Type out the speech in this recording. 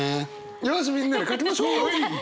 よしみんな書きましょう！